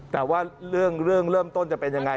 แต่ว่าเรื่องเริ่มต้นจะเป็นยังไง